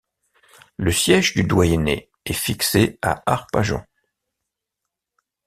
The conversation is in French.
Le siège du doyenné est fixé à Arpajon.